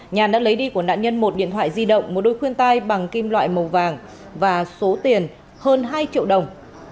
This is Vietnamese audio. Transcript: nhàn đã lấy đi của nạn nhân một điện thoại di động một đôi khuyên tay bằng kim loại màu vàng và số tiền hơn hai triệu đồng